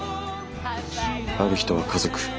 ある人は家族。